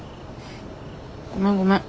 ごめんごめん。